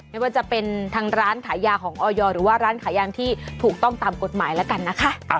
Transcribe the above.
ไม่ว่าจะเป็นทางร้านขายยาของออยหรือว่าร้านขายยางที่ถูกต้องตามกฎหมายแล้วกันนะคะ